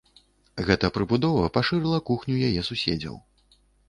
Гэта прыбудова пашырыла кухню яе суседзяў.